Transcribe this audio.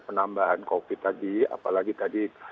penambahan covid sembilan belas tadi apalagi tadi